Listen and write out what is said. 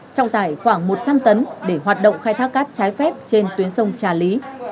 trọng tải khoảng một trăm linh tấn để hoạt động khai thác cát trái phép trên tuyến sông trà lý